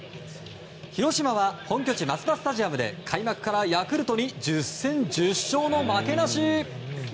広島は本拠地マツダスタジアムで開幕からヤクルトに１０戦１０勝の負けなし！